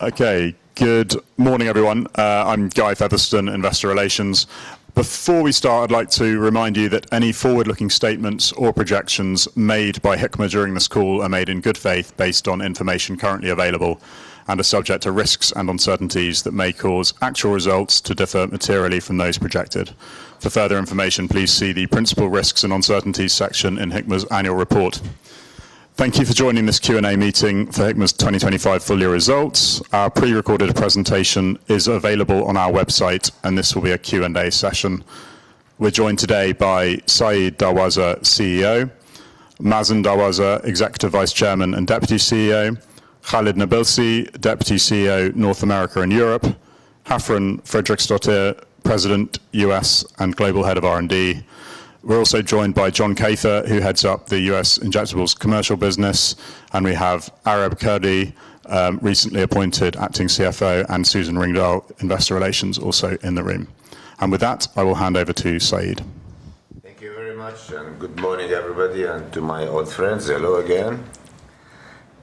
Okay. Good morning, everyone. I'm Guy Featherstone, Investor Relations. Before we start, I'd like to remind you that any forward-looking statements or projections made by Hikma during this call are made in good faith, based on information currently available, and are subject to risks and uncertainties that may cause actual results to differ materially from those projected. For further information, please see the Principal Risks and Uncertainties section in Hikma's annual report. Thank you for joining this Q&A meeting for Hikma's 2025 full-year results. Our pre-recorded presentation is available on our website, and this will be a Q&A session. We're joined today by Said Darwazah, CEO, Mazen Darwazah, Executive Vice Chairman and Deputy CEO, Khalid Nabilsi, Deputy CEO, North America and Europe, Hafrún Friðriksdóttir, President, US and Global Head of R&D. We're also joined by Bill Larkins, who heads up the US Injectables commercial business, and we have Areb Kurdi, recently appointed Acting CFO, and Susan Ringdal, Investor Relations, also in the room. With that, I will hand over to Said. Thank you very much, good morning, everybody, and to my old friends, hello again.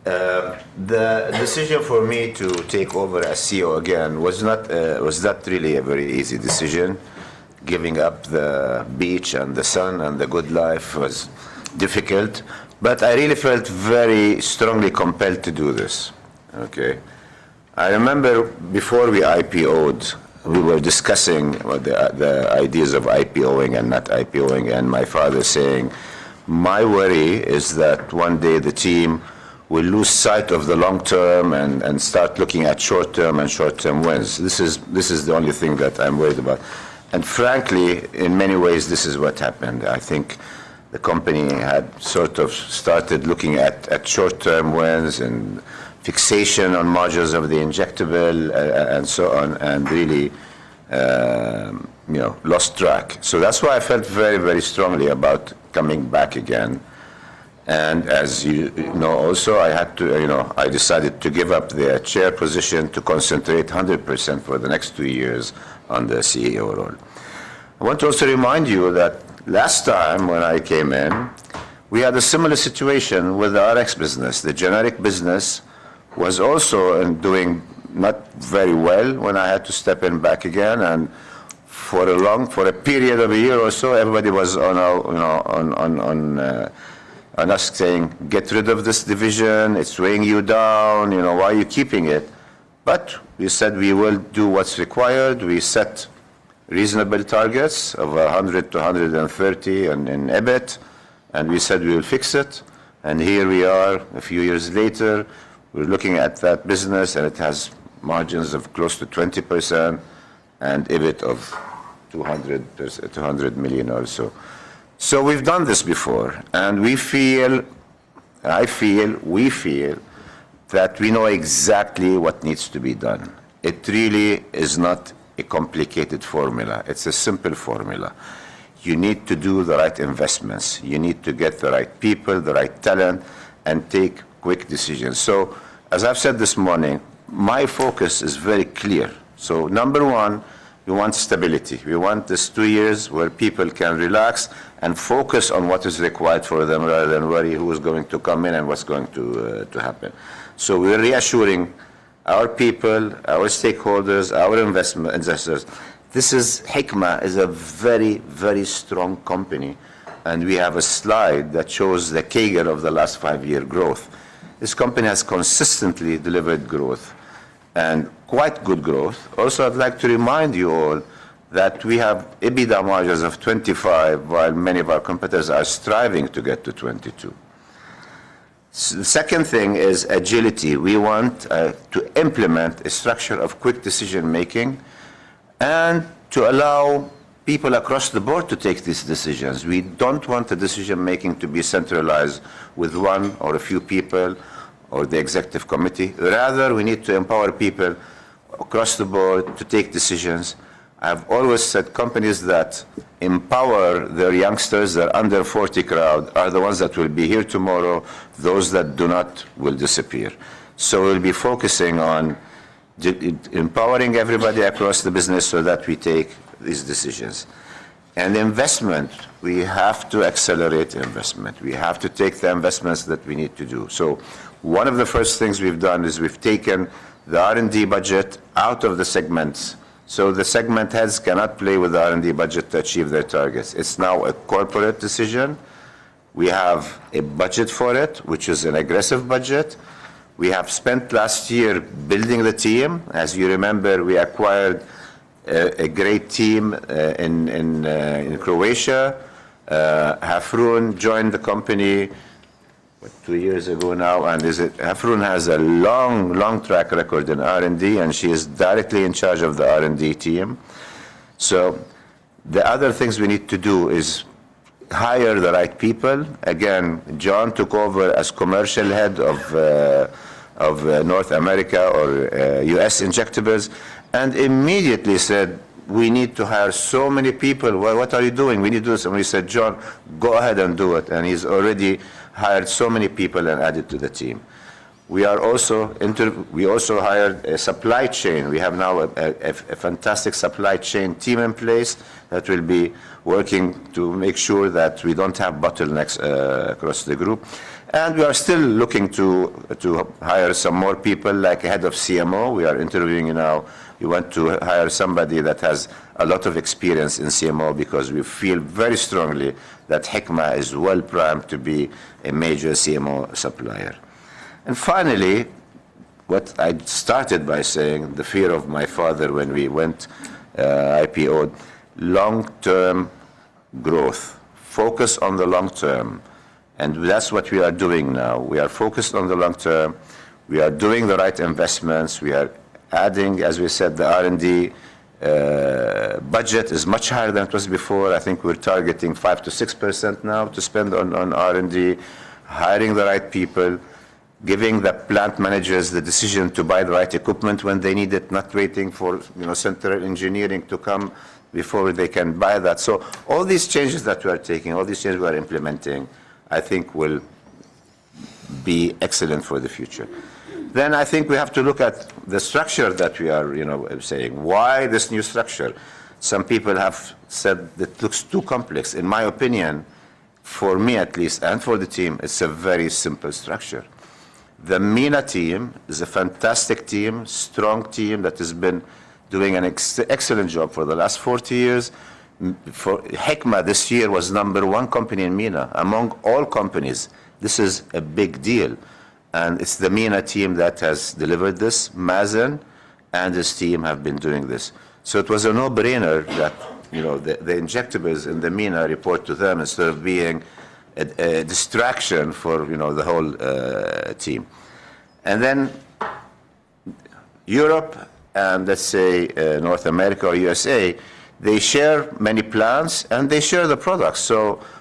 The decision for me to take over as CEO again was not really a very easy decision. Giving up the beach and the sun and the good life was difficult, but I really felt very strongly compelled to do this. Okay? I remember before we IPO'd, we were discussing what the ideas of IPO-ing and not IPO-ing, and my father saying, "My worry is that one day the team will lose sight of the long term and start looking at short term and short-term wins. This is the only thing that I'm worried about." Frankly, in many ways, this is what happened. I think the company had sort of started looking at short-term wins and fixation on margins of the injectable, and so on, and really, you know, lost track. That's why I felt very, very strongly about coming back again. As you know also, I had to. You know, I decided to give up the chair position to concentrate 100% for the next 2 years on the CEO role. I want to also remind you that last time when I came in, we had a similar situation with the Rx business. The generic business was also doing not very well when I had to step in back again, and for a period of 1 year or so, everybody was on a, you know, on us, saying, "Get rid of this division. It's weighing you down. You know, why are you keeping it?" We said we will do what's required. We set reasonable targets of $100 million-$130 million in EBIT, and we said we will fix it. Here we are a few years later. We're looking at that business. It has margins of close to 20% and EBIT of 200%, $200 million or so. We've done this before. We feel that we know exactly what needs to be done. It really is not a complicated formula. It's a simple formula. You need to do the right investments. You need to get the right people, the right talent, and take quick decisions. As I've said this morning, my focus is very clear. Number one, we want stability. We want these 2 years where people can relax and focus on what is required for them, rather than worry who is going to come in and what's going to happen. We're reassuring our people, our stakeholders, our investors, this is... Hikma is a very, very strong company, and we have a slide that shows the CAGR of the last five-year growth. This company has consistently delivered growth, and quite good growth. Also, I'd like to remind you all that we have EBITDA margins of 25, while many of our competitors are striving to get to 22. The second thing is agility. We want to implement a structure of quick decision-making and to allow people across the board to take these decisions. We don't want the decision-making to be centralized with one or a few people or the executive committee. Rather, we need to empower people across the board to take decisions. I've always said companies that empower their youngsters, they're under 40 crowd, are the ones that will be here tomorrow. Those that do not will disappear. We'll be focusing on empowering everybody across the business so that we take these decisions. Investment, we have to accelerate investment. We have to take the investments that we need to do. One of the first things we've done is we've taken the R&D budget out of the segments, so the segment heads cannot play with the R&D budget to achieve their targets. It's now a corporate decision. We have a budget for it, which is an aggressive budget. We have spent last year building the team. As you remember, we acquired a great team in Croatia. Hafrún joined the company, what, two years ago now, and Hafrún has a long track record in R&D, and she is directly in charge of the R&D team. The other things we need to do is hire the right people. Jon took over as Commercial Head of North America or U.S. Injectables, and immediately said, "We need to hire so many people. What are you doing? We need to do this." We said, "Jon, go ahead and do it," and he's already hired so many people and added to the team. We also hired a supply chain. We have now a fantastic supply chain team in place that will be working to make sure that we don't have bottlenecks across the group.... We are still looking to hire some more people, like head of CMO. We are interviewing now. We want to hire somebody that has a lot of experience in CMO, because we feel very strongly that Hikma is well primed to be a major CMO supplier. Finally, what I started by saying, the fear of my father when we went, IPO, long-term growth. Focus on the long term, and that's what we are doing now. We are focused on the long term. We are doing the right investments. We are adding, as we said, the R&D budget is much higher than it was before. I think we're targeting 5%-6% now to spend on R&D, hiring the right people, giving the plant managers the decision to buy the right equipment when they need it, not waiting for, you know, central engineering to come before they can buy that. All these changes that we are taking, all these changes we are implementing, I think will be excellent for the future. I think we have to look at the structure that we are, you know, saying. Why this new structure? Some people have said it looks too complex. In my opinion, for me at least, and for the team, it's a very simple structure. The MENA team is a fantastic team, strong team that has been doing an excellent job for the last 40 years. Hikma this year was number one company in MENA, among all companies. This is a big deal. It's the MENA team that has delivered this. Mazen and his team have been doing this. It was a no-brainer that, you know, the injectables in the MENA report to them, instead of being a distraction for, you know, the whole team. Europe, and let's say, North America or USA, they share many plants and they share the products.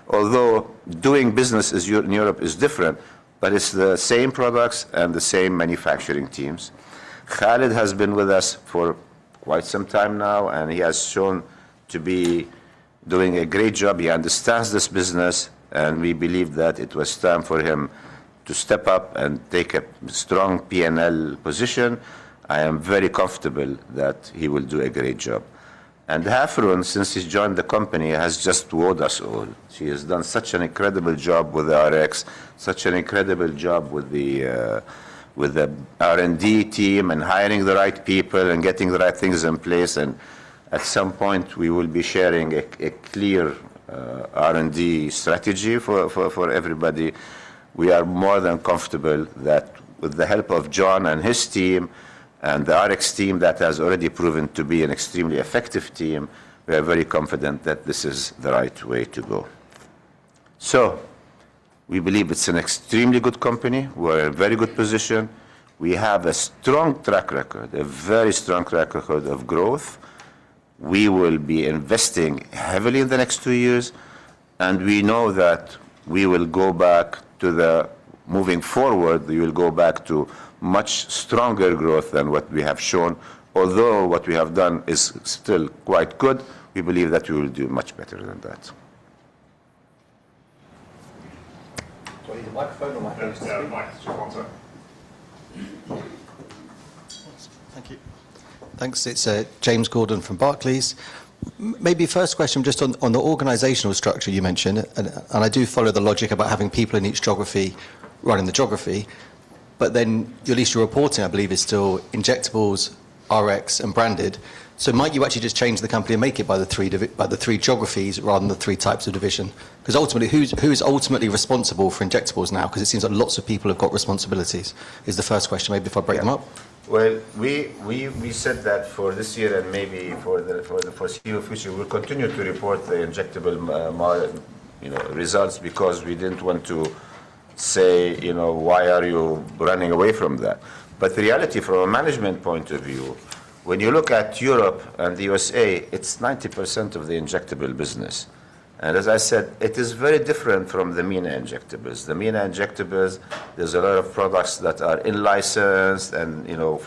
Although doing business in Europe is different, but it's the same products and the same manufacturing teams. Khalid has been with us for quite some time now, and he has shown to be doing a great job. He understands this business, and we believe that it was time for him to step up and take a strong P&L position. I am very comfortable that he will do a great job. Hafrún, since she's joined the company, has just wowed us all. She has done such an incredible job with Rx, such an incredible job with the with the R&D team and hiring the right people and getting the right things in place. At some point, we will be sharing a clear R&D strategy for everybody. We are more than comfortable that with the help of Jon and his team, and the Rx team that has already proven to be an extremely effective team, we are very confident that this is the right way to go. We believe it's an extremely good company. We're in a very good position. We have a strong track record, a very strong track record of growth. We will be investing heavily in the next 2 years, and we know that we will go back to the... Moving forward, we will go back to much stronger growth than what we have shown. Although what we have done is still quite good, we believe that we will do much better than that. Do I need a microphone or mic? Yeah, mic. Just one second. Thank you. Thanks. It's James Gordon from Barclays. Maybe first question just on the organizational structure you mentioned, and I do follow the logic about having people in each geography running the geography, but then at least your reporting, I believe, is still injectables, Rx, and branded. Might you actually just change the company and make it by the three geographies, rather than the three types of division? Ultimately, who is ultimately responsible for injectables now? It seems that lots of people have got responsibilities. Is the first question, maybe if I break them up. We said that for this year and maybe for the foreseeable future, we'll continue to report the injectable margin, you know, results, because we didn't want to say, you know, "Why are you running away from that?" The reality from a management point of view, when you look at Europe and the USA, it's 90% of the injectable business. As I said, it is very different from the MENA injectables. The MENA injectables, there's a lot of products that are in-licensed and, you know,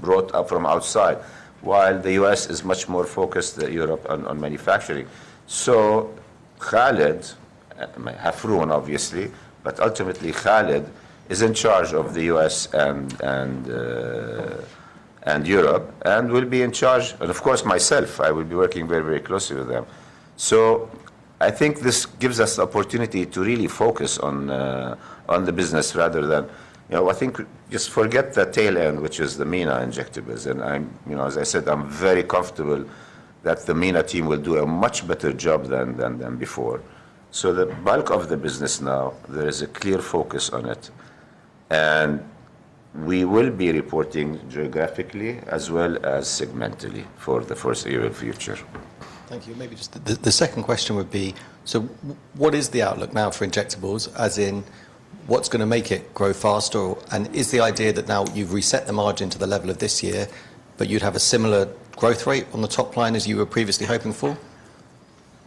brought up from outside, while the U.S. is much more focused, Europe, on manufacturing. Khalid, Hafrún, obviously, but ultimately, Khalid is in charge of the U.S. and Europe and will be in charge. Of course, myself, I will be working very closely with them. I think this gives us the opportunity to really focus on the business. You know, I think just forget the tail end, which is the MENA injectables. I'm, you know, as I said, I'm very comfortable that the MENA team will do a much better job than before. The bulk of the business now, there is a clear focus on it, and we will be reporting geographically as well as segmentally for the foreseeable future. Thank you. Maybe just the second question would be: what is the outlook now for injectables, as in what's going to make it grow faster? Is the idea that now you've reset the margin to the level of this year, but you'd have a similar growth rate on the top line as you were previously hoping for?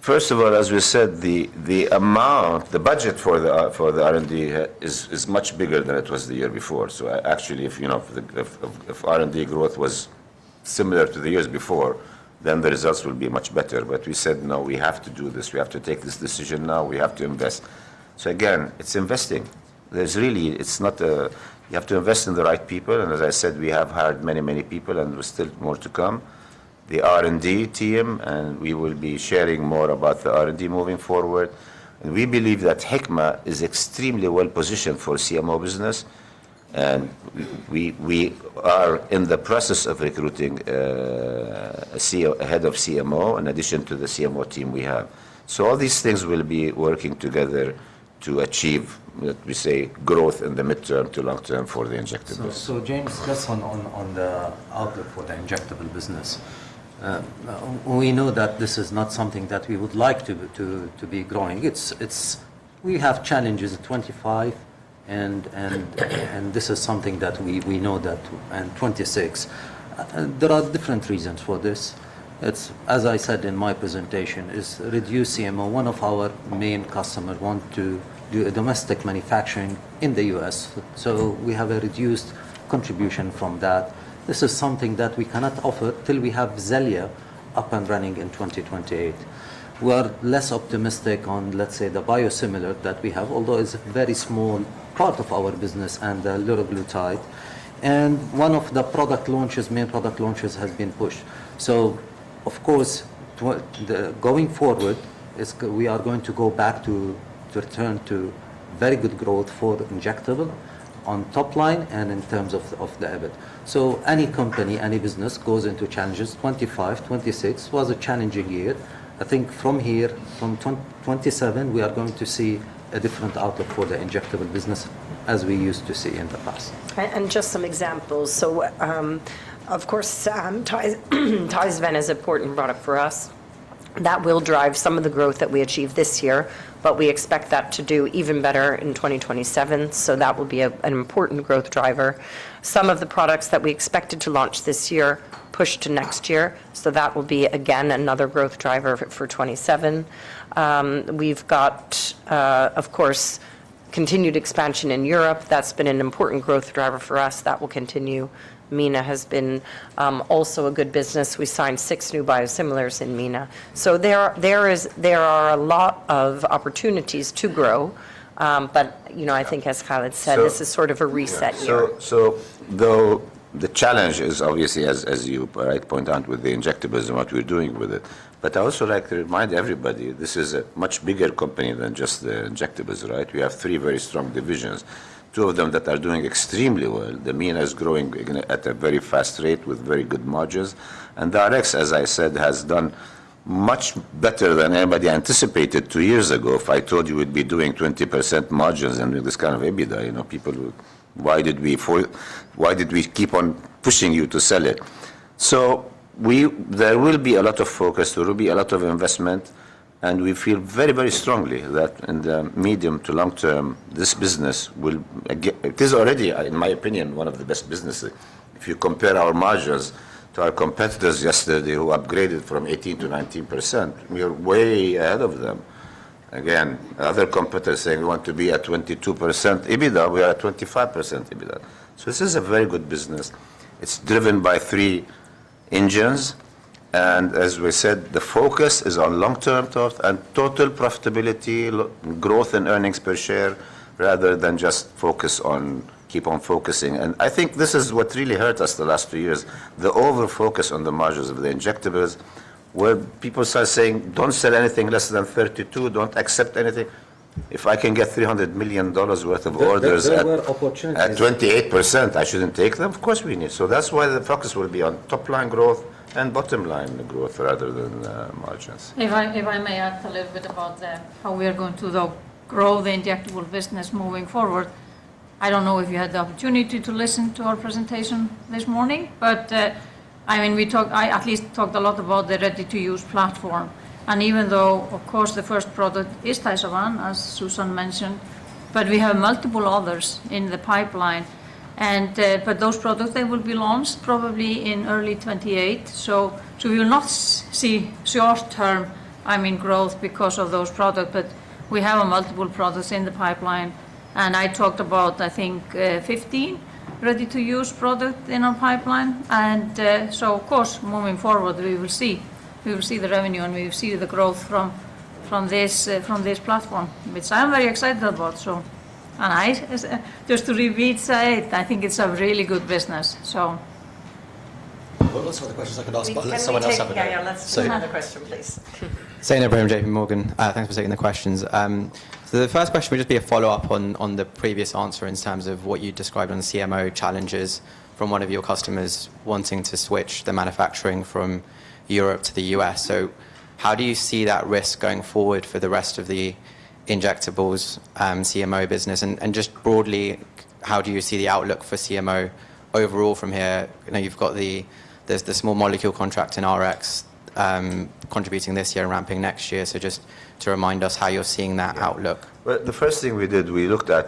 First of all, as we said, the amount, the budget for the R&D is much bigger than it was the year before. Actually, if, you know, if R&D growth was similar to the years before, then the results will be much better. We said, "No, we have to do this. We have to take this decision now. We have to invest." Again, it's investing. There's really, it's not you have to invest in the right people, and as I said, we have hired many people, and there's still more to come. The R&D team, we will be sharing more about the R&D moving forward. We believe that Hikma is extremely well-positioned for CMO business, and we are in the process of recruiting, a head of CMO in addition to the CMO team we have. All these things will be working together to achieve, let me say, growth in the midterm to long term for the injectables. James, just on the outlook for the Injectables business. We know that this is not something that we would like to be growing. It's. We have challenges at 2025, and this is something that we know that, and 2026. There are different reasons for this. It's, as I said in my presentation, is reduced CMO. One of our main customers want to do a domestic manufacturing in the U.S., so we have a reduced contribution from that. This is something that we cannot offer till we have Xellia up and running in 2028. We are less optimistic on, let's say, the biosimilar that we have, although it's a very small part of our business, and the liraglutide. One of the product launches, main product launches, has been pushed. Of course, going forward, we are going to go back to return to very good growth for the injectable on top line and in terms of the EBIT. Any company, any business, goes into challenges. 25, 2026 was a challenging year. I think from here, from 2027, we are going to see a different outlook for the injectable business as we used to see in the past. Just some examples. Of course, Sam, TYZAVAN is important product for us. That will drive some of the growth that we achieve this year. We expect that to do even better in 2027. That will be an important growth driver. Some of the products that we expected to launch this year pushed to next year. That will be, again, another growth driver for 2027. We've got, of course, continued expansion in Europe. That's been an important growth driver for us. That will continue. MENA has been also a good business. We signed six new biosimilars in MENA. There are a lot of opportunities to grow, you know, I think as Khalid said- So- This is sort of a reset year. Yeah. Though the challenge is obviously, as you rightly point out with the injectables and what we're doing with it, I also like to remind everybody, this is a much bigger company than just the injectables, right? We have three very strong divisions, two of them that are doing extremely well. The MENA is growing, you know, at a very fast rate with very good margins. The Rx, as I said, has done much better than anybody anticipated two years ago. If I told you we'd be doing 20% margins and with this kind of EBITDA, you know, people would, "Why did we keep on pushing you to sell it?" there will be a lot of focus, there will be a lot of investment, and we feel very, very strongly that in the medium to long term, this business it is already, in my opinion, one of the best businesses. If you compare our margins to our competitors yesterday, who upgraded from 18%-19%, we are way ahead of them. other competitors saying, "We want to be at 22% EBITDA," we are at 25% EBITDA. This is a very good business. It's driven by three engines, as we said, the focus is on long-term thought and total profitability, growth in earnings per share, rather than just focusing. I think this is what really hurt us the last 2 years, the over-focus on the margins of the injectables, where people start saying, "Don't sell anything less than 32. Don't accept anything." If I can get $300 million worth of orders at- There were opportunities.... at 28%, I shouldn't take them. Of course, we need. That's why the focus will be on top-line growth and bottom-line growth rather than, margins. If I may add a little bit about the, how we are going to, the, grow the injectable business moving forward. I don't know if you had the opportunity to listen to our presentation this morning, but I mean, we talked, I at least talked a lot about the ready-to-use platform. Even though, of course, the first product is TYZAVAN, as Susan mentioned, but we have multiple others in the pipeline. But those products, they will be launched probably in early 2028, so we will not see short-term, I mean, growth because of those products, but we have multiple products in the pipeline. I talked about, I think, 15 ready-to-use products in our pipeline. So of course, moving forward, we will see. We will see the revenue, and we will see the growth from this platform, which I'm very excited about. I just to repeat Said, I think it's a really good business, so. Well, there's other questions I could ask, but let someone else have a go. We take... Yeah, yeah, let's take another question, please. Seamus Brown, JPMorgan. Thanks for taking the questions. The first question will just be a follow-up on the previous answer in terms of what you described on the CMO challenges from one of your customers wanting to switch the manufacturing from Europe to the U.S. How do you see that risk going forward for the rest of the injectables, CMO business? Just broadly, how do you see the outlook for CMO overall from here? I know you've got the there's the small molecule contract in Rx, contributing this year and ramping next year. Just to remind us how you're seeing that outlook. The first thing we did, we looked at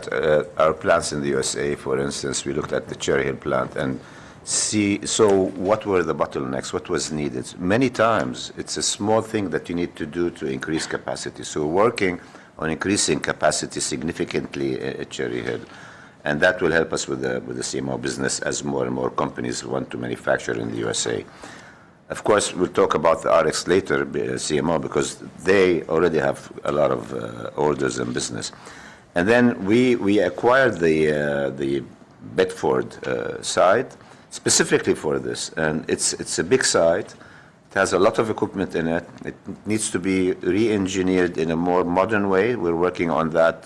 our plants in the USA, for instance. We looked at the Cherry Hill plant and see what were the bottlenecks? What was needed? Many times, it's a small thing that you need to do to increase capacity. We're working on increasing capacity significantly at Cherry Hill. That will help us with the CMO business as more and more companies want to manufacture in the USA. Of course, we'll talk about the Rx later, CMO, because they already have a lot of orders and business. We acquired the Bedford site specifically for this, and it's a big site. It has a lot of equipment in it. It needs to be re-engineered in a more modern way. We're working on that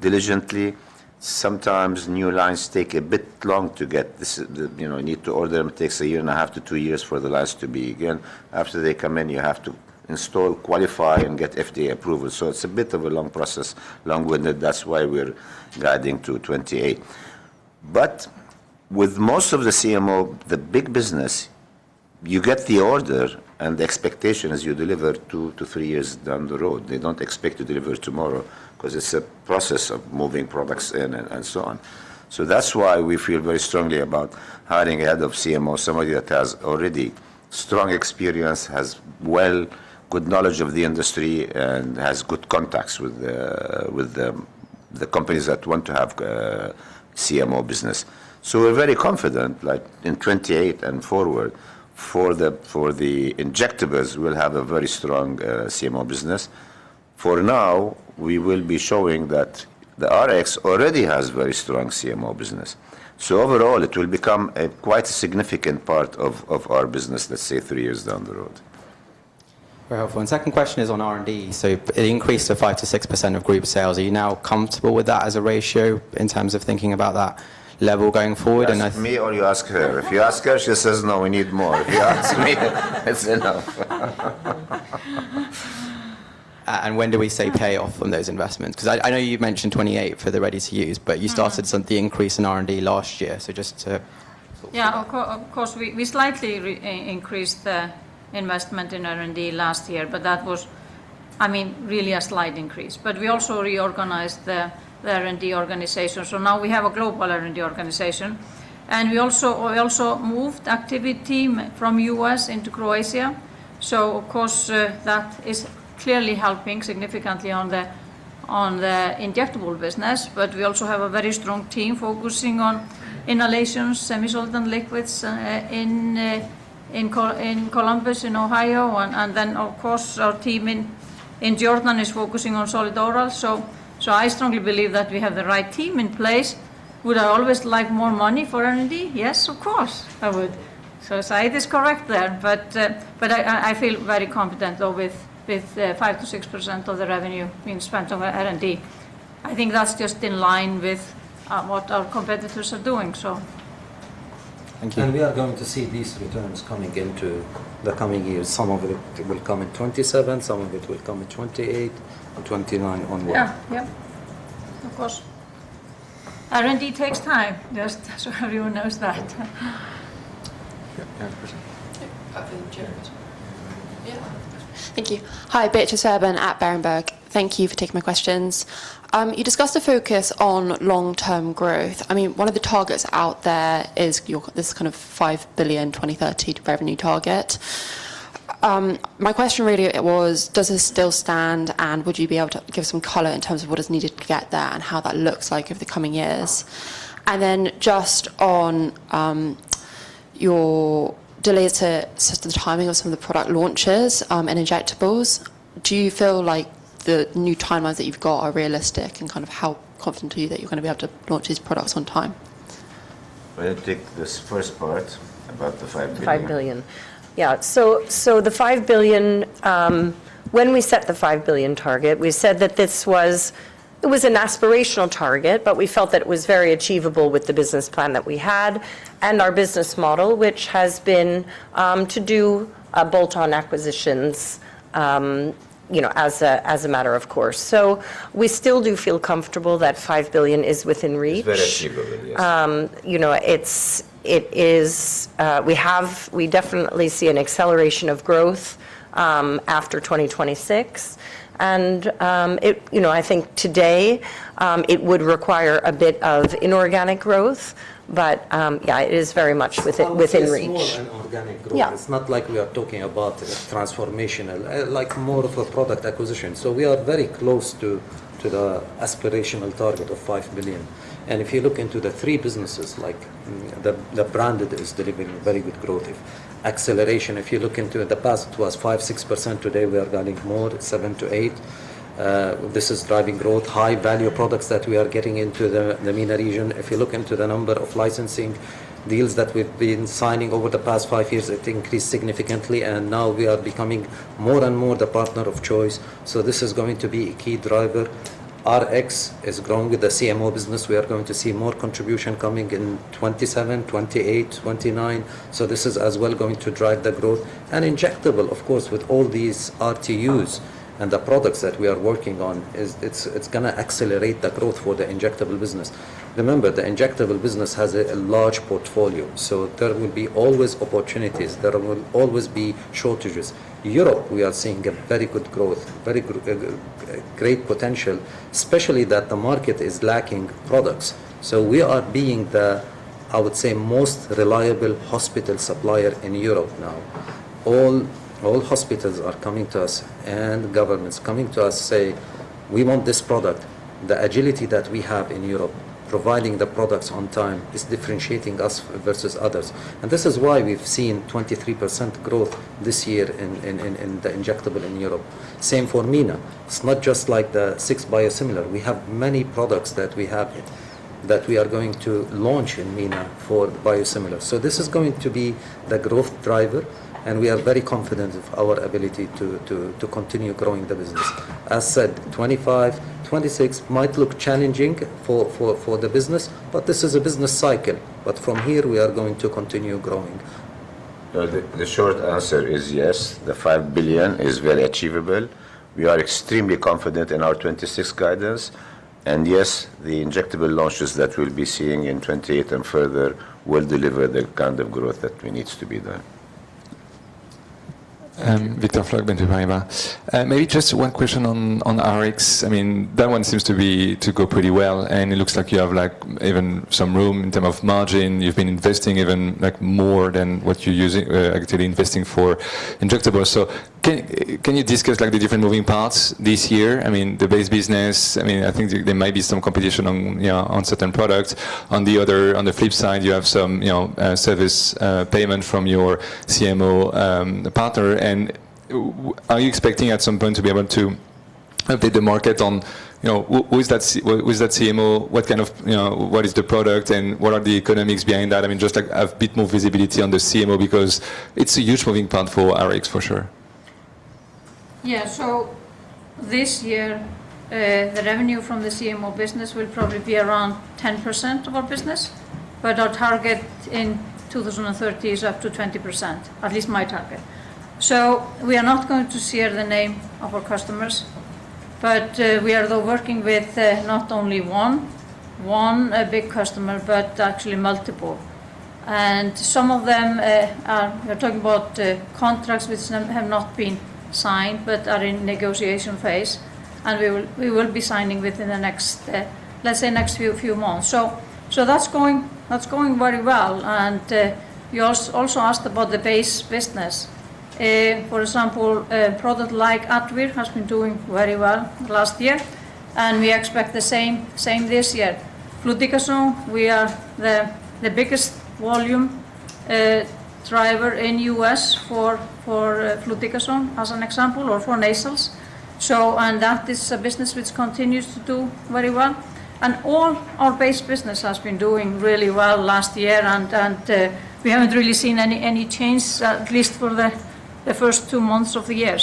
diligently. Sometimes new lines take a bit long to get. This, you know, you need to order them, it takes 1.5-2 years for the lines to be again. After they come in, you have to install, qualify, and get FDA approval. It's a bit of a long process, long-winded, that's why we're guiding to 2028. With most of the CMO, the big business, you get the order and the expectation is you deliver 2-3 years down the road. They don't expect to deliver tomorrow, because it's a process of moving products in and so on. That's why we feel very strongly about hiring a head of CMO, somebody that has already strong experience, has well good knowledge of the industry, and has good contacts with the companies that want to have CMO business. We're very confident, like, in 2028 and forward, for the injectables, we'll have a very strong CMO business. For now, we will be showing that the Rx already has very strong CMO business. Overall, it will become a quite significant part of our business, let's say, 3 years down the road. Very helpful. second question is on R&D. it increased to 5% to 6% of group sales. Are you now comfortable with that as a ratio in terms of thinking about that level going forward? You ask me or you ask her? If you ask her, she says, "No, we need more." If you ask me, "It's enough. When do we see payoff from those investments? 'Cause I know you've mentioned 2028 for the ready-to-use. Mm some of the increase in R&D last year, so just to talk to that. Yeah, of course, we slightly increased the investment in R&D last year, but that was, I mean, really a slight increase. We also reorganized the R&D organization, so now we have a global R&D organization, and we also moved activity from U.S. into Croatia. Of course, that is clearly helping significantly on the injectable business, but we also have a very strong team focusing on inhalations, semi-solid, and liquids, in Columbus, in Ohio. Then, of course, our team in Jordan is focusing on solid oral. I strongly believe that we have the right team in place. Would I always like more money for R&D? Yes, of course, I would. Said is correct there, but I feel very confident, though, with 5%-6% of the revenue being spent on R&D. I think that's just in line with what our competitors are doing. Thank you. We are going to see these returns coming into the coming years. Some of it will come in 2027, some of it will come in 2028 and 2029 onward. Yeah. Yeah, of course. R&D takes time. Just so everyone knows that. Yeah. You have a question. Yeah. Up in the chair. Yeah. Thank you. Hi, Beatrice Fairbairn at Berenberg. Thank you for taking my questions. You discussed the focus on long-term growth. I mean, one of the targets out there is this kind of 5 billion 2030 revenue target. My question really, it was, does this still stand, and would you be able to give some color in terms of what is needed to get there and how that looks like over the coming years? Just on your delay to sort of the timing of some of the product launches and injectables, do you feel like the new timelines that you've got are realistic, and kind of how confident are you that you're gonna be able to launch these products on time? I'll take this first part about the $5 billion. $5 billion. The $5 billion, when we set the $5 billion target, we said that this was it was an aspirational target, but we felt that it was very achievable with the business plan that we had and our business model, which has been to do bolt-on acquisitions, you know, as a matter of course. We still do feel comfortable that $5 billion is within reach. It's very achievable, yes. You know, it's, it is, we definitely see an acceleration of growth after 2026. You know, I think today, it would require a bit of inorganic growth, but, yeah, it is very much within reach. It's more an organic growth. Yeah. It's not like we are talking about a transformational, like more of a product acquisition. We are very close to the aspirational target of $5 billion. If you look into the three businesses, like the branded is delivering very good growth, acceleration. If you look into the past, it was 5%-6%. Today, we are doing more, 7%-8%. This is driving growth, high-value products that we are getting into the MENA region. If you look into the number of licensing deals that we've been signing over the past 5 years, it increased significantly, and now we are becoming more and more the partner of choice, so this is going to be a key driver. Rx is growing with the CMO business. We are going to see more contribution coming in 2027, 2028, 2029. This is as well going to drive the growth. Injectable, of course, with all these RTUs and the products that we are working on, it's gonna accelerate the growth for the injectable business. Remember, the injectable business has a large portfolio. There will be always opportunities, there will always be shortages. Europe, we are seeing a very good growth, very good, great potential, especially that the market is lacking products. I would say, most reliable hospital supplier in Europe now. All hospitals are coming to us, and governments coming to us say, "We want this product." The agility that we have in Europe, providing the products on time, is differentiating us versus others. This is why we've seen 23% growth this year in the injectable in Europe. Same for MENA. It's not just like the six biosimilars. We have many products that we have, that we are going to launch in MENA for biosimilar. This is going to be the growth driver, and we are very confident of our ability to continue growing the business. As said, 2025, 2026 might look challenging for the business, but this is a business cycle. From here we are going to continue growing. The short answer is yes, the $5 billion is very achievable. We are extremely confident in our 2026 guidance. Yes, the injectable launches that we'll be seeing in 2028 and further will deliver the kind of growth that we need to be there. Thibault Boutherin, Bank of America. Maybe just one question on Rx. That one seems to go pretty well, and it looks like you have, like, even some room in term of margin. You've been investing even, like, more than what you're using, actually investing for injectables. Can you discuss, like, the different moving parts this year? The base business, I think there might be some competition on, you know, on certain products. On the other, on the flip side, you have some, you know, service payment from your CMO partner. Are you expecting at some point to be able to update the market on, you know, who is that CMO? What kind of... You know, what is the product, and what are the economics behind that? I mean, just like a bit more visibility on the CMO, because it's a huge moving part for Rx, for sure. This year, the revenue from the CMO business will probably be around 10% of our business. Our target in 2030 is up to 20%, at least my target. We are not going to share the name of our customers, but we are, though, working with not only one big customer, but actually multiple. Some of them, we're talking about contracts which have not been signed, but are in negotiation phase, and we will be signing within the next, let's say next few months. That's going very well, and you also asked about the base business. For example, a product like Advair has been doing very well last year, and we expect the same this year. Fluticasone, we are the biggest volume driver in U.S. for fluticasone, as an example, or for nasals. That is a business which continues to do very well. All our base business has been doing really well last year, and we haven't really seen any change, at least for the first two months of the year.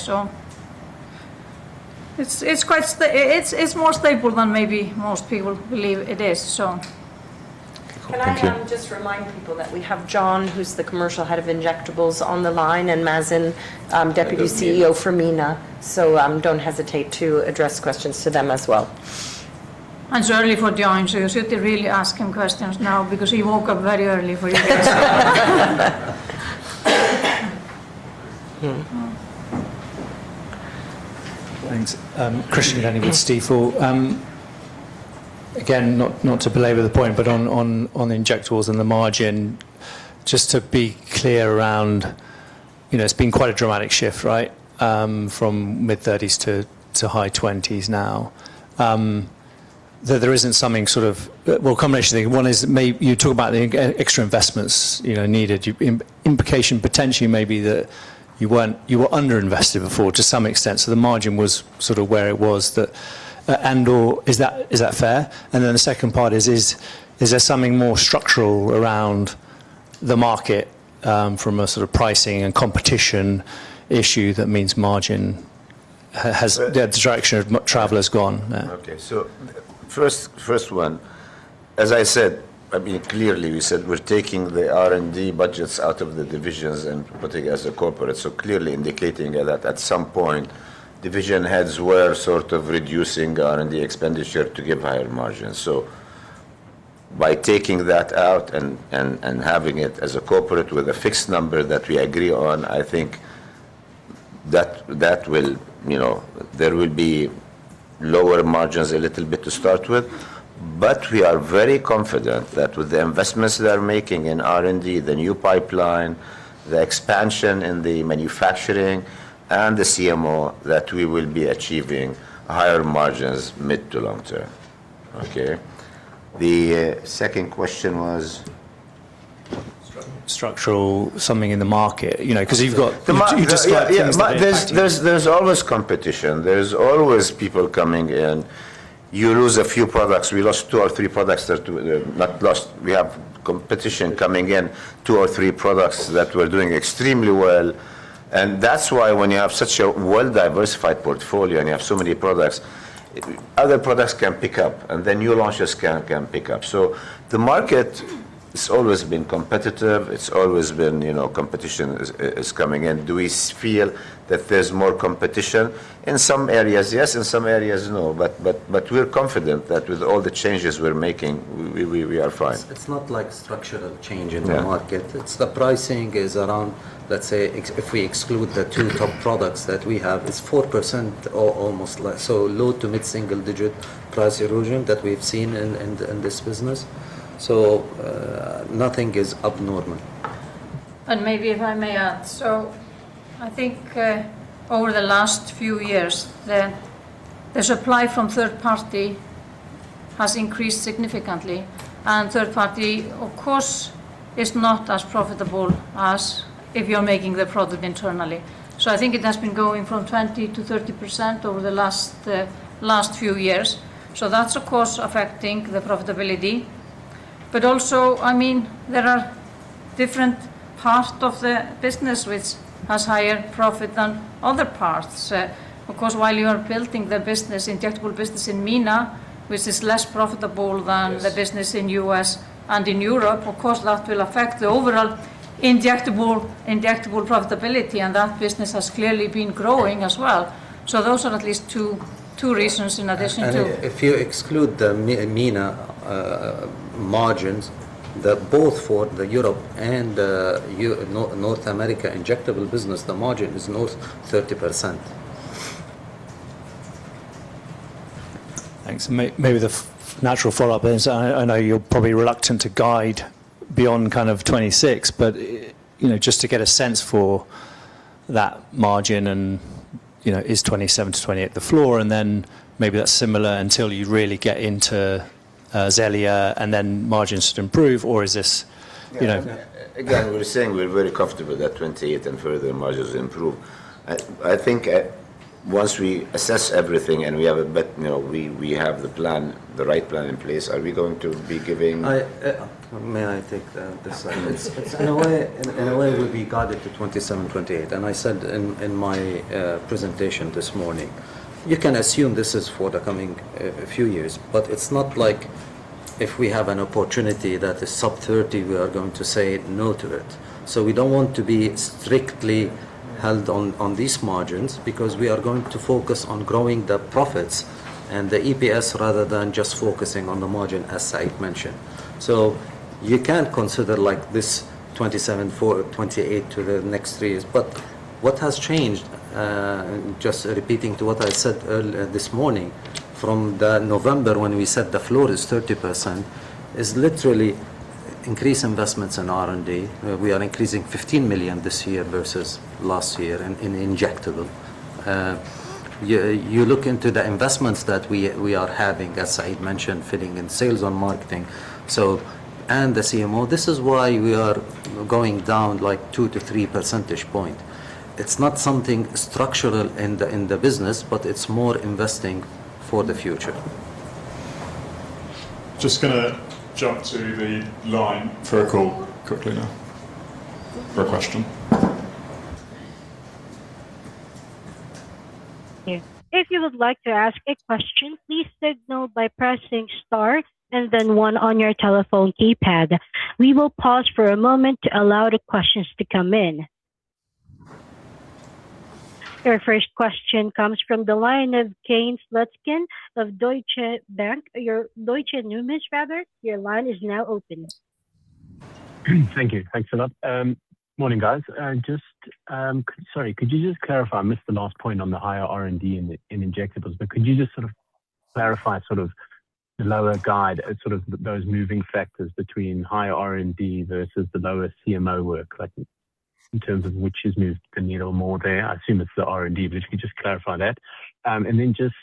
It's more stable than maybe most people believe it is, so... Thank you. Can I, just remind people that we have Jon, who's the commercial head of injectables, on the line, and Mazen, Deputy CEO for MENA. Don't hesitate to address questions to them as well. It's early for Jon, so you should really ask him questions now because he woke up very early for you. Thanks. Christian Glennie with Stifel. Again, not to belabor the point, but on the injectables and the margin, just to be clear around. You know, it's been quite a dramatic shift, right? From mid-30s to high 20s now. There isn't something sort of. Well, couple of things. One is you talk about the extra investments, you know, needed. Implication potentially may be that you weren't, you were underinvested before to some extent, so the margin was sort of where it was that. Is that, is that fair? The second part is: Is there something more structural around the market, from a sort of pricing and competition issue that means margin has the direction of travel has gone? Okay. First, first one, as I said, I mean, clearly, we said we're taking the R&D budgets out of the divisions and putting it as a corporate, clearly indicating that at some point, division heads were sort of reducing R&D expenditure to give higher margins. By taking that out and, and having it as a corporate with a fixed number that we agree on, I think that will... You know, there will be lower margins a little bit to start with, but we are very confident that with the investments we are making in R&D, the new pipeline, the expansion in the manufacturing, and the CMO, that we will be achieving higher margins mid to long term. Okay. The second question was? Structural, something in the market. You know, 'cause you've got- The mar- You just- Yeah, yeah. Actually- There's always competition. There's always people coming in. You lose a few products. We lost two or three products that were... Not lost, we have competition coming in, two or three products that were doing extremely well, and that's why when you have such a well-diversified portfolio, and you have so many products, other products can pick up, and the new launches can pick up. The market has always been competitive. It's always been, you know, competition is coming in. Do we feel that there's more competition? In some areas, yes, in some areas, no, but we're confident that with all the changes we're making, we are fine. It's, it's not like structural change in the market. Yeah. It's the pricing is around, let's say, if we exclude the two top products that we have, it's 4% or almost less. Low to mid-single digit price erosion that we've seen in this business, so nothing is abnormal. Maybe if I may add. I think, over the last few years, the supply from third party has increased significantly, and third party, of course, is not as profitable as if you're making the product internally. I think it has been going from 20%-30% over the last few years. That's, of course, affecting the profitability. Also, I mean, there are different part of the business which has higher profit than other parts. Of course, while you are building the business, injectable business in MENA, which is less profitable than- Yes The business in U.S. and in Europe, of course, that will affect the overall injectable profitability. That business has clearly been growing as well. Those are at least two reasons in addition to- If you exclude MENA margins, both for the Europe and North America injectable business, the margin is north 30%. Thanks. Maybe the natural follow-up is, I know you're probably reluctant to guide beyond kind of 2026, but, you know, just to get a sense for that margin and, you know, is 27%-28% the floor? Then maybe that's similar until you really get into Xellia, and then margins should improve, or is this, you know? We're saying we're very comfortable that 28 and further margins improve. I think once we assess everything and we have a You know, we have the plan, the right plan in place, are we going to be giving- May I take this one? In a way, we've guided to 27%-28%. I said in my presentation this morning, you can assume this is for the coming a few years. It's not like if we have an opportunity that is sub 30%, we are going to say no to it. We don't want to be strictly held on these margins because we are going to focus on growing the profits and the EPS, rather than just focusing on the margin, as Said mentioned. You can consider, like, this 27% for 28% to the next three years. What has changed, just repeating to what I said this morning, from the November when we set the floor is 30%, is literally increase investments in R&D. We are increasing $15 million this year versus last year in injectable. You look into the investments that we are having, as Said mentioned, fitting in sales on marketing, so, and the CMO. This is why we are going down, like, 2 to 3 percentage point. It's not something structural in the business, but it's more investing for the future. Just gonna jump to the line for a call quickly now, for a question. If you would like to ask a question, please signal by pressing star and then one on your telephone keypad. We will pause for a moment to allow the questions to come in. Your first question comes from the line of Kane Sutcliffe of Deutsche Bank. Deutsche Numis, rather. Your line is now open. Thank you. Thanks a lot. Morning, guys. Just, sorry, could you just clarify? I missed the last point on the higher R&D in the, in injectables. Could you just sort of clarify sort of those moving factors between higher R&D versus the lower CMO work, like in terms of which has moved the needle more there? I assume it's the R&D, but if you could just clarify that. Then just,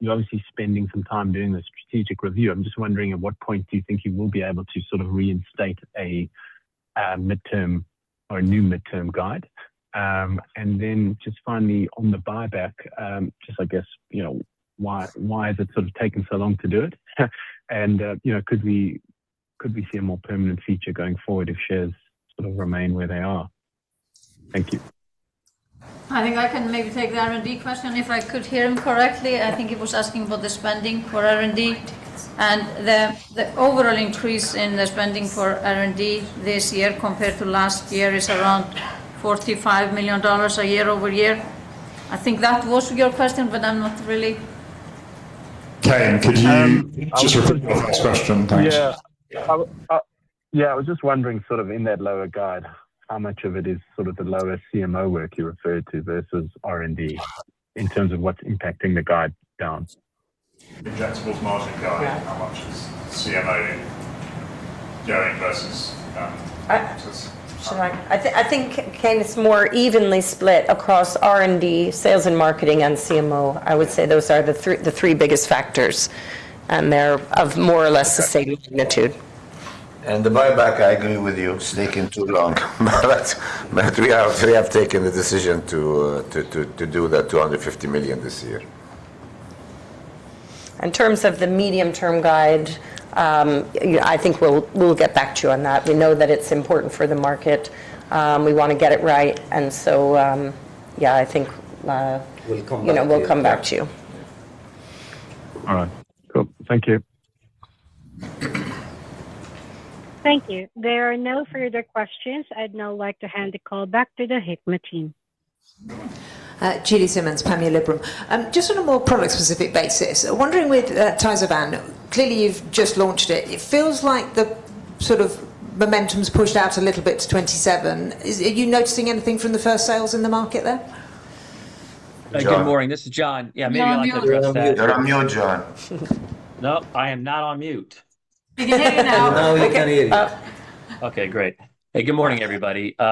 you're obviously spending some time doing the strategic review. I'm just wondering, at what point do you think you will be able to sort of reinstate a, midterm or a new midterm guide? Then just finally on the buyback, just I guess, you know, why has it sort of taken so long to do it? You know, could we, could we see a more permanent feature going forward if shares sort of remain where they are? Thank you. I think I can maybe take the R&D question. If I could hear him correctly, I think he was asking for the spending for R&D. The overall increase in the spending for R&D this year compared to last year is around $45 million year-over-year. I think that was your question, but I'm not really. Kane, could you just repeat the first question? Thanks. Yeah, I was just wondering, sort of in that lower guide, how much of it is sort of the lower CMO work you referred to versus R&D, in terms of what's impacting the guide down? Injectables margin guide- Yeah. How much is CMO going versus... I- Sorry. I think, Kane, it's more evenly split across R&D, sales and marketing, and CMO. I would say those are the three biggest factors, and they're of more or less the same magnitude. The buyback, I agree with you, it's taking too long. We have taken the decision to do that $250 million this year. In terms of the medium-term guide, yeah, I think we'll get back to you on that. We know that it's important for the market. We want to get it right, and so, yeah, I think. We'll come back to you. You know, we'll come back to you. All right. Cool. Thank you. Thank you. There are no further questions. I'd now like to hand the call back to the Hikma team. Julie Simmons, Panmure Gordon. Just on a more product-specific basis, wondering with TYZAVAN, clearly, you've just launched it. It feels like the sort of momentum's pushed out a little bit to 2027. Are you noticing anything from the first sales in the market there? Good morning, this is Jon. Yeah, maybe I'll have to address that. You're on mute, Jon. Nope, I am not on mute. You can hear me now? Now we can hear you. Okay, great. Hey, good morning, everybody. We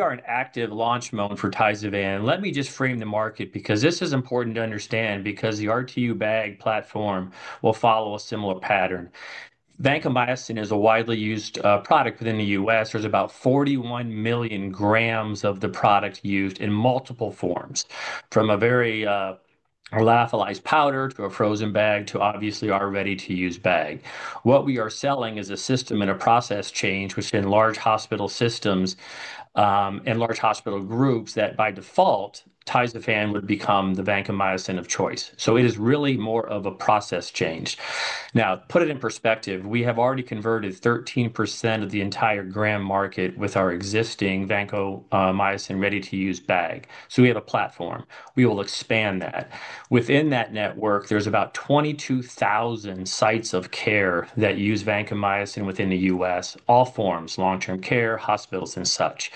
are in active launch mode for TYZAVAN. Let me just frame the market, because this is important to understand, because the RTU bag platform will follow a similar pattern. Vancomycin is a widely used product within the U.S. There's about 41 million grams of the product used in multiple forms, from a very lyophilized powder to a frozen bag, to obviously our ready-to-use bag. What we are selling is a system and a process change, which in large hospital systems, and large hospital groups, that by default, TYZAVAN would become the vancomycin of choice. It is really more of a process change. Now, put it in perspective, we have already converted 13% of the entire gram market with our existing vancomycin ready-to-use bag. We have a platform. We will expand that. Within that network, there's about 22,000 sites of care that use vancomycin within the U.S., all forms, long-term care, hospitals, and such.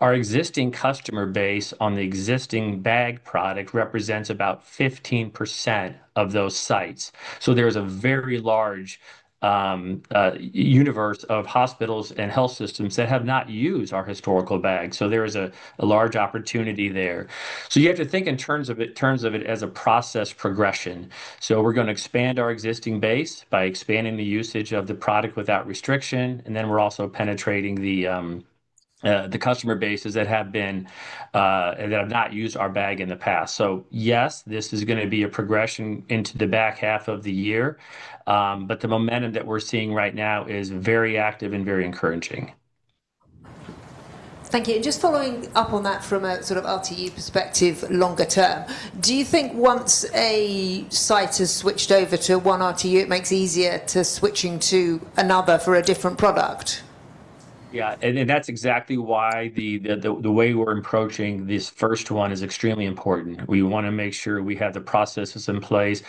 Our existing customer base on the existing bag product represents about 15% of those sites. There is a very large universe of hospitals and health systems that have not used our historical bag. There is a large opportunity there. You have to think in terms of it as a process progression. We're gonna expand our existing base by expanding the usage of the product without restriction, and then we're also penetrating the customer bases that have not used our bag in the past. Yes, this is going to be a progression into the back half of the year, the momentum that we're seeing right now is very active and very encouraging. Thank you. Just following up on that from a sort of RTU perspective, longer term, do you think once a site is switched over to one RTU, it makes it easier to switching to another for a different product? That's exactly why the way we're approaching this first one is extremely important. We wanna make sure we have the processes in place.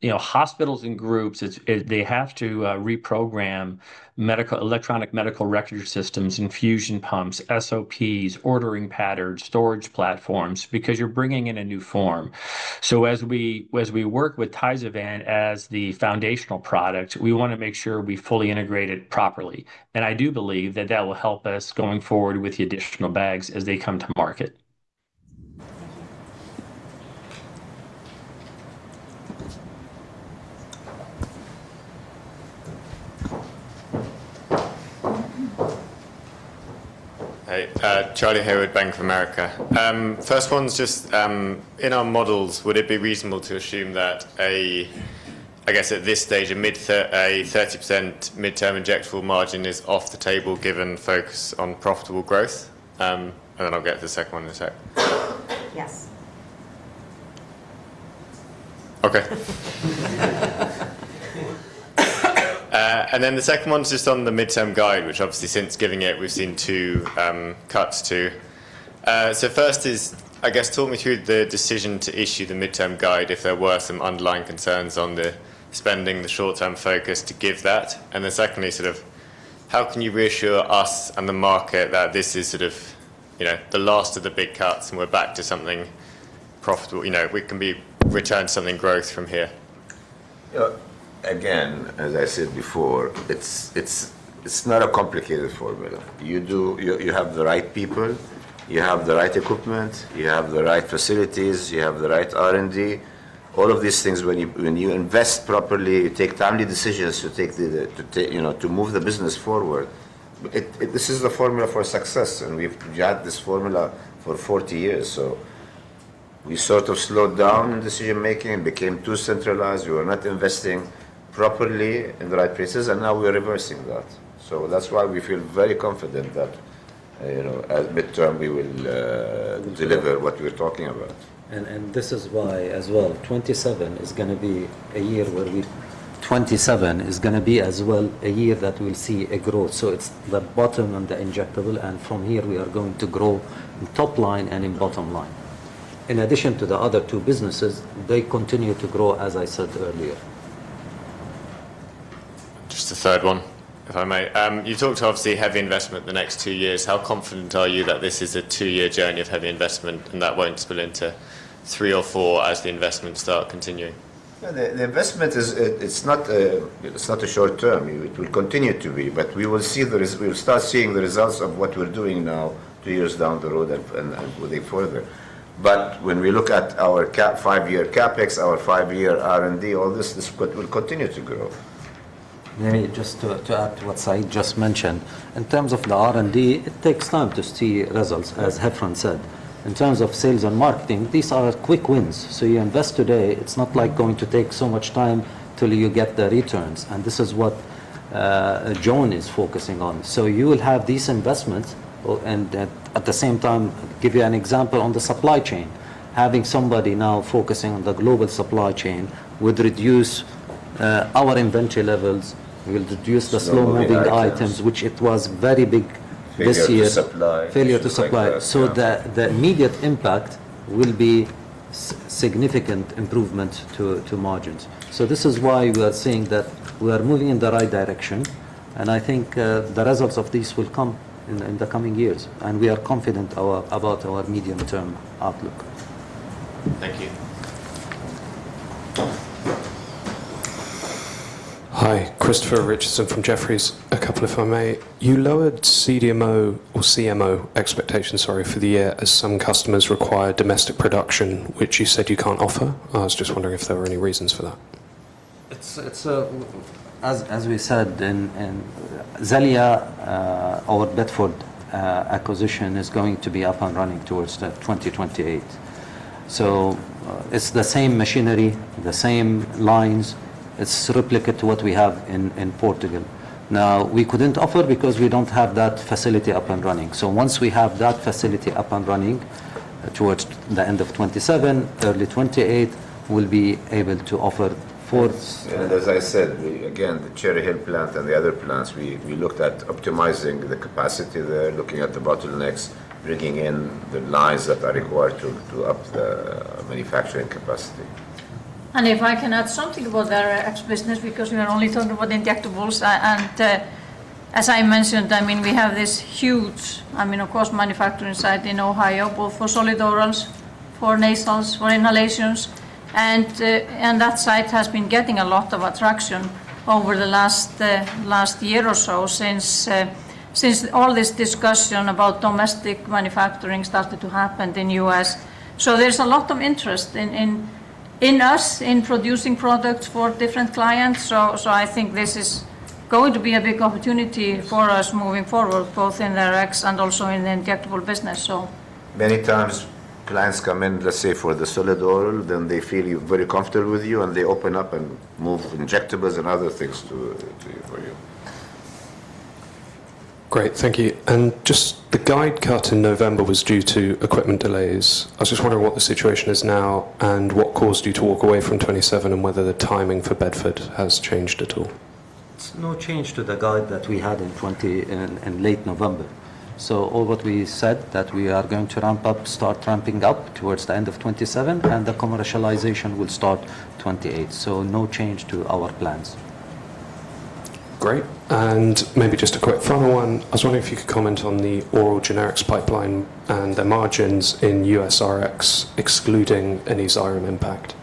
You know, hospitals and groups, they have to reprogram medical, electronic medical record systems, infusion pumps, SOPs, ordering patterns, storage platforms, because you're bringing in a new form. As we work with TYZAVAN as the foundational product, we wanna make sure we fully integrate it properly. I do believe that that will help us going forward with the additional bags as they come to market. Hey, Charlie here with Bank of America. First one's just, in our models, would it be reasonable to assume that I guess at this stage, a 30% midterm injectable margin is off the table, given focus on profitable growth? I'll get to the second one in a sec. Yes. The second one is just on the midterm guide, which obviously, since giving it, we've seen two cuts to... First is, I guess, talk me through the decision to issue the midterm guide, if there were some underlying concerns on the spending, the short-term focus to give that? Secondly, sort of, how can you reassure us and the market that this is sort of, you know, the last of the big cuts, and we're back to something profitable, you know, we can be return something growth from here? Again, as I said before, it's not a complicated formula. You have the right people, you have the right equipment, you have the right facilities, you have the right R&D. All of these things, when you invest properly, you take timely decisions to take, you know, to move the business forward, this is the formula for success, and we've had this formula for 40 years. We sort of slowed down in decision-making and became too centralized. We were not investing properly in the right places, and now we're reversing that. That's why we feel very confident that, you know, at midterm, we will deliver what we're talking about. 2027 is gonna be, as well, a year that we'll see a growth. It's the bottom on the injectable, and from here, we are going to grow in top line and in bottom line. In addition to the other two businesses, they continue to grow, as I said earlier. Just a third one, if I may. You talked, obviously, heavy investment the next 2 years. How confident are you that this is a 2-year journey of heavy investment, and that won't spill into 3 or 4 as the investments start continuing? The investment is, it's not a short term. It will continue to be, but we will see we'll start seeing the results of what we're doing now, 2 years down the road and I believe further. When we look at our 5-year CapEx, our 5-year R&D, all this will continue to grow. May I just to add to what Said just mentioned, in terms of the R&D, it takes time to see results, as Hafrún said. In terms of sales and marketing, these are quick wins. You invest today, it's not like going to take so much time till you get the returns, and this is what Jon is focusing on. You will have these investments, and at the same time, give you an example on the supply chain. Having somebody now focusing on the global supply chain would reduce our inventory levels. We will reduce the slow-moving items- Failure to actions.... which it was very big this year. Failure to supply. Failure to supply. Yeah. The immediate impact will be significant improvement to margins. This is why we are seeing that we are moving in the right direction. I think the results of this will come in the coming years, and we are confident about our medium-term outlook. Thank you. Hi, Christopher Richardson from Jefferies. A couple, if I may. You lowered CDMO or CMO expectations, sorry, for the year as some customers require domestic production, which you said you can't offer. I was just wondering if there were any reasons for that. It's as we said, in Xellia, our Bedford acquisition is going to be up and running towards 2028. It's the same machinery, the same lines. It's replicate what we have in Portugal. Now, we couldn't offer because we don't have that facility up and running. Once we have that facility up and running, towards the end of 2027, early 2028, we'll be able to offer. As I said, we, again, the Cherry Hill plant and the other plants, we looked at optimizing the capacity there, looking at the bottlenecks, bringing in the lines that are required to up the manufacturing capacity. If I can add something about our Rx business, because we are only talking about injectables. As I mentioned, I mean, we have this huge, I mean, of course, manufacturing site in Ohio, both for solid orals, for nasals, for inhalations, and that site has been getting a lot of attraction over the last year or so, since all this discussion about domestic manufacturing started to happen in U.S. There's a lot of interest in us, in producing products for different clients. I think this is going to be a big opportunity for us moving forward, both in the Rx and also in the injectable business. Many times, clients come in let's say, for the solid oral, then they feel very comfortable with you, and they open up and move injectables and other things to you, for you. Great, thank you. Just the guide cut in November was due to equipment delays. I was just wondering what the situation is now and what caused you to walk away from 2027 and whether the timing for Bedford has changed at all? It's no change to the guide that we had in late November. All what we said, that we are going to ramp up, start ramping up towards the end of 2027, and the commercialization will start 2028. No change to our plans. Great. Maybe just a quick final one. I was wondering if you could comment on the oral generics pipeline and the margins in U.S. Rx, excluding any Xyrem impact.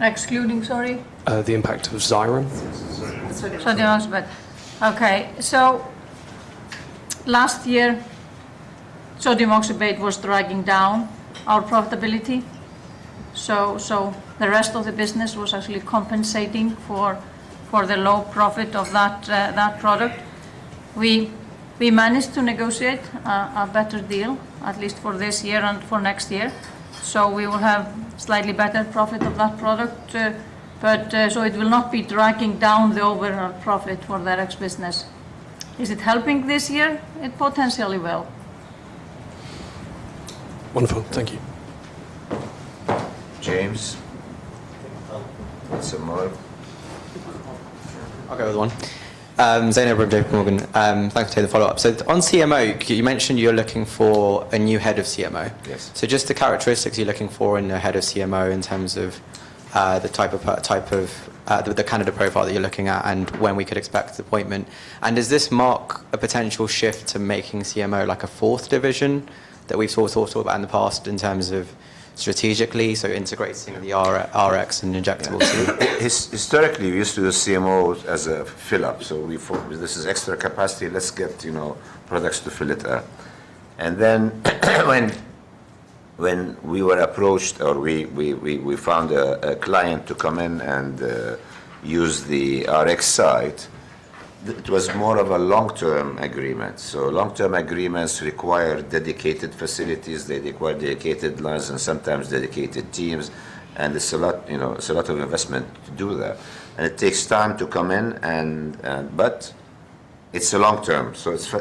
Excluding, sorry? The impact of Xyrem. Xyrem. Sodium oxybate. Okay, last year, Sodium oxybate was dragging down our profitability. The rest of the business was actually compensating for the low profit of that product. We managed to negotiate a better deal, at least for this year and for next year, so we will have slightly better profit of that product, but so it will not be dragging down the overall profit for the Rx business. Is it helping this year? It potentially will. Wonderful. Thank you. James? Um- What's it, Moro? I'll go with one. Seamus Brown from Morgan. Thanks for the follow-up. On CMO, you mentioned you're looking for a new head of CMO. Yes. Just the characteristics you're looking for in a head of CMO, in terms of the type of the kind of the profile that you're looking at, and when we could expect the appointment? Does this mark a potential shift to making CMO like a fourth division? That we've sort of thought about in the past in terms of strategically, so integrating the Rx and injectables? Historically, we're used to the CMO as a fill up. We thought, this is extra capacity, let's get, you know, products to fill it up. When we were approached, or we found a client to come in and use the Rx site, it was more of a long-term agreement. Long-term agreements require dedicated facilities, they require dedicated lines and sometimes dedicated teams, and it's a lot, you know, it's a lot of investment to do that, and it takes time to come in. It's a long term.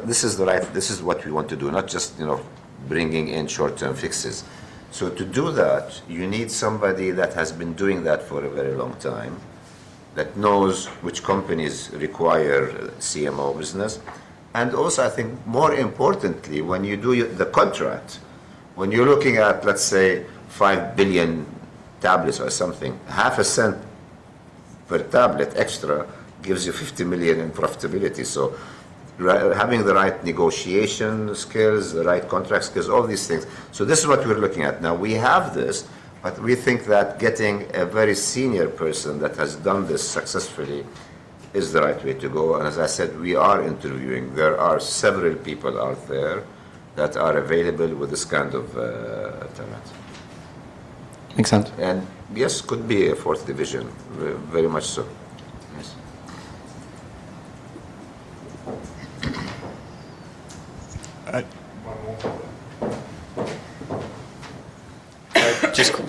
This is what we want to do, not just, you know, bringing in short-term fixes. To do that, you need somebody that has been doing that for a very long time, that knows which companies require CMO business. Also, I think more importantly, when you do the contract, when you're looking at, let's say, 5 billion tablets or something, half a cent per tablet extra gives you $50 million in profitability. Having the right negotiation skills, the right contracts, 'cause all these things. This is what we're looking at. We have this, but we think that getting a very senior person that has done this successfully is the right way to go. As I said, we are interviewing. There are several people out there that are available with this kind of talent. Makes sense. Yes, could be a fourth division. Very much so.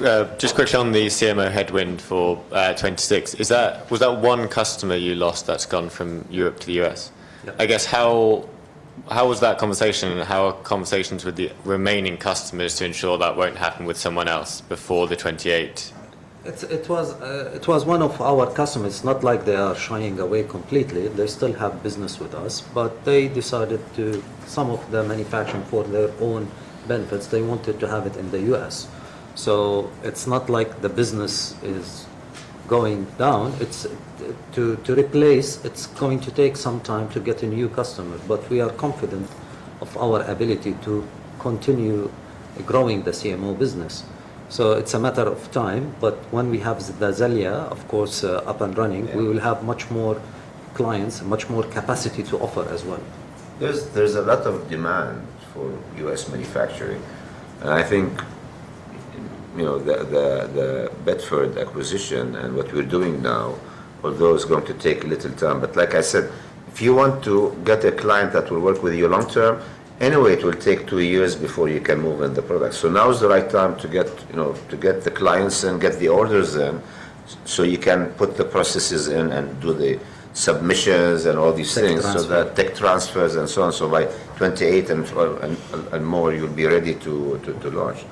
Yes. One more. Just quickly on the CMO headwind for 2026, was that one customer you lost that's gone from Europe to the U.S.? Yeah. I guess, how was that conversation, and how are conversations with the remaining customers to ensure that won't happen with someone else before the 2028? It was one of our customers. It's not like they are shying away completely. They still have business with us, but they decided to... Some of the manufacturing for their own benefits, they wanted to have it in the U.S. It's not like the business is going down, it's to replace, it's going to take some time to get a new customer. We are confident of our ability to continue growing the CMO business. It's a matter of time, but when we have the Xellia, of course, up and running. Yeah We will have much more clients, much more capacity to offer as well. There's a lot of demand for U.S. manufacturing. I think, you know, the Bedford acquisition and what we're doing now, although it's going to take a little time. Like I said, if you want to get a client that will work with you long term, anyway, it will take 2 years before you can move in the product. Now is the right time to get, you know, to get the clients and get the orders in, so you can put the processes in and do the submissions and all these things. Tech transfers. The tech transfers and so on. By 2028 and more, you'll be ready to launch.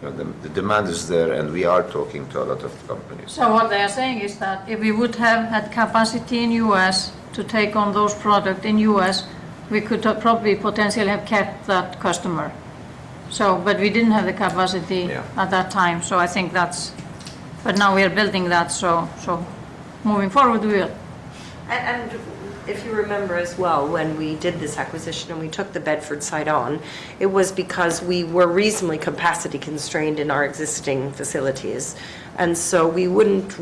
The demand is there, and we are talking to a lot of companies. What they are saying is that if we would have had capacity in U.S. to take on those product in U.S., we could have probably potentially have kept that customer. We didn't have the capacity. Yeah At that time, so I think that's. Now we are building that, so moving forward, we will. If you remember as well, when we did this acquisition, and we took the Bedford site on, it was because we were reasonably capacity constrained in our existing facilities, and so we weren't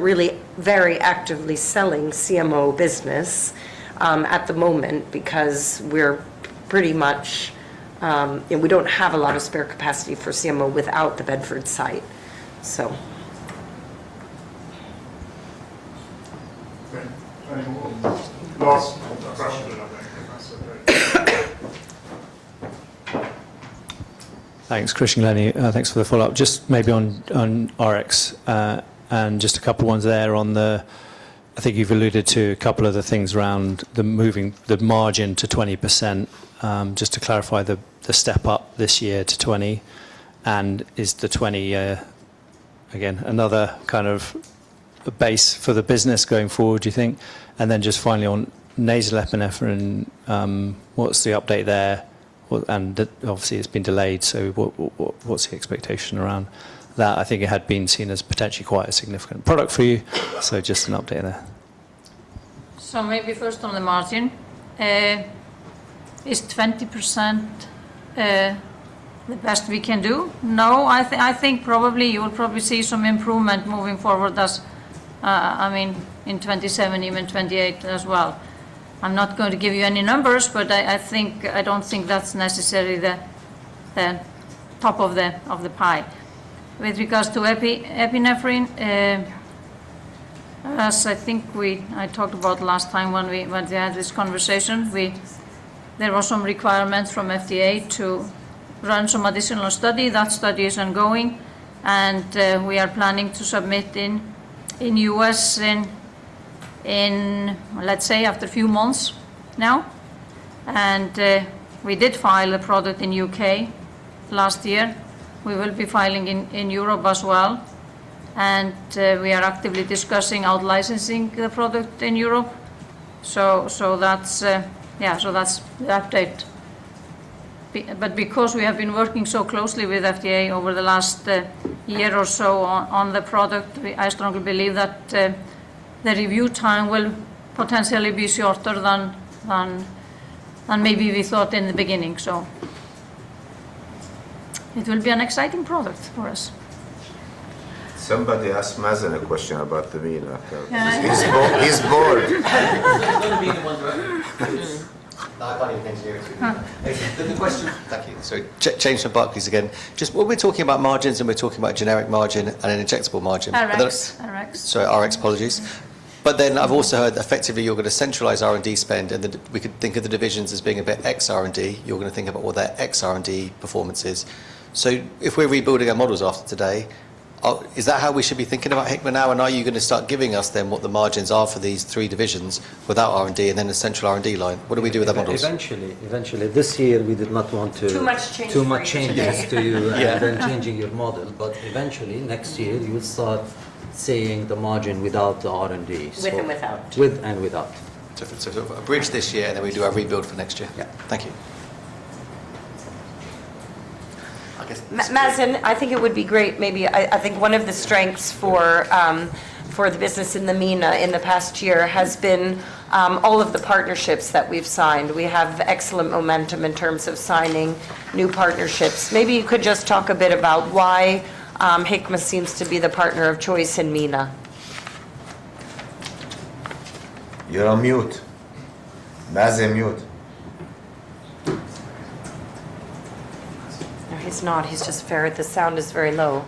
really very actively selling CMO business at the moment, because we're pretty much. You know, we don't have a lot of spare capacity for CMO without the Bedford site, so. Okay, any more? Last question, I think. If that's okay. Thanks, it's Christian Glennie. Thanks for the follow-up. Just maybe on Rx, and just a couple ones there. I think you've alluded to a couple of the things around the moving the margin to 20%. Just to clarify, the step up this year to 20, is the 20, again, another kind of a base for the business going forward, do you think? Just finally, on nasal epinephrine, what's the update there? and obviously, it's been delayed, what's the expectation around that? I think it had been seen as potentially quite a significant product for you, just an update there. Maybe first on the margin. Is 20% the best we can do? No, I think probably, you will probably see some improvement moving forward as, I mean, in 2027, even 2028 as well. I'm not going to give you any numbers, but I think, I don't think that's necessarily the top of the, of the pie. With regards to epinephrine, as I think we talked about last time when we, when we had this conversation, there were some requirements from FDA to run some additional study. That study is ongoing, and we are planning to submit in U.S. in, let's say, after a few months now. We did file a product in U.K. last year. We will be filing in Europe as well, and we are actively discussing out licensing the product in Europe. That's the update. Because we have been working so closely with FDA over the last year or so on the product, I strongly believe that the review time will potentially be shorter than maybe we thought in the beginning. It will be an exciting product for us. Somebody ask Mazen a question about the MENA. He's bored. There's only going to be one direction. I can't even engineer to you. The question- Thank you. James from Barclays again. Just when we're talking about margins, and we're talking about generic margin and an injectable margin- Rx. Rx. Sorry, Rx, apologies. I've also heard that effectively, you're going to centralize R&D spend, and that we could think of the divisions as being a bit ex R&D. You're going to think about what their ex-R&D performance is. If we're rebuilding our models after today, is that how we should be thinking about Hikma now, and are you going to start giving us then what the margins are for these three divisions without R&D and then a central R&D line? What do we do with our models? Eventually. This year, we did not want to- Too much change for you.... too much changes to. Yeah Changing your model. Eventually, next year, you will start seeing the margin without the R&D. With and without. With and without. A bridge this year, and then we do our rebuild for next year? Yeah. Thank you. I guess- Mazen, I think it would be great, maybe... I think one of the strengths for the business in the MENA in the past year has been, all of the partnerships that we've signed. We have excellent momentum in terms of signing new partnerships. Maybe you could just talk a bit about why, Hikma seems to be the partner of choice in MENA. You're on mute. Mazen, mute. No, he's not. He's just very... The sound is very low.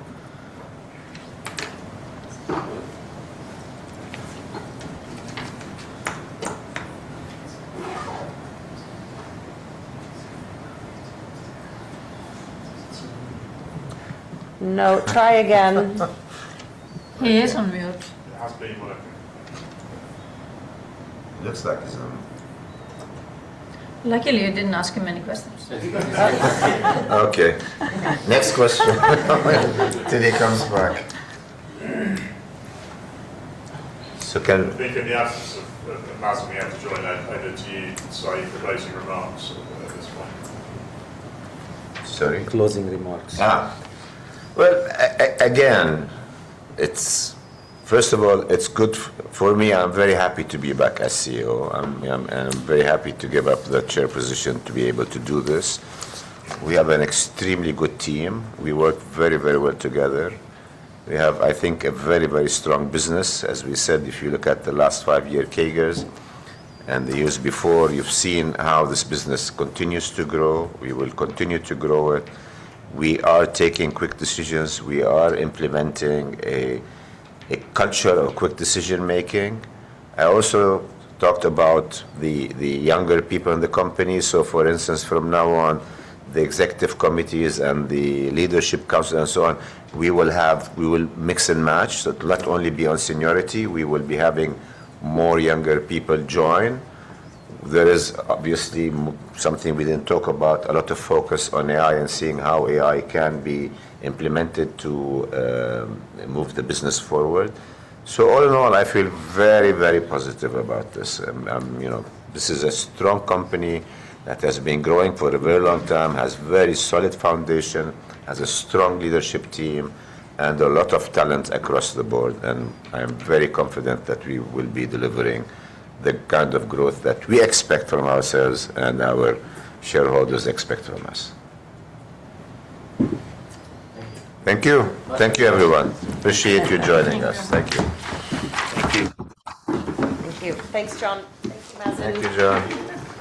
No, try again. He is on mute. He has been working. Looks like he's on. Luckily, you didn't ask him any questions. Okay, next question, till he comes back. I think in the absence of Mazen being able to join, I, over to you, Said, for closing remarks at this point. Sorry? Closing remarks. Well, again, it's first of all, it's good for me. I'm very happy to be back as CEO. I'm very happy to give up the chair position to be able to do this. We have an extremely good team. We work very well together. We have, I think, a very strong business. As we said, if you look at the last 5-year CAGRs and the years before, you've seen how this business continues to grow. We will continue to grow it. We are taking quick decisions. We are implementing a culture of quick decision-making. I also talked about the younger people in the company. For instance, from now on, the executive committees and the leadership council and so on, we will mix and match. It will not only be on seniority, we will be having more younger people join. There is obviously something we didn't talk about, a lot of focus on AI and seeing how AI can be implemented to move the business forward. All in all, I feel very, very positive about this, you know, this is a strong company that has been growing for a very long time, has very solid foundation, has a strong leadership team, and a lot of talent across the board, and I am very confident that we will be delivering the kind of growth that we expect from ourselves and our shareholders expect from us. Thank you. Thank you, everyone. Appreciate you joining us. Thank you. Thank you. Thank you. Thanks, Jon. Thanks, Mazen. Thank you, Jon.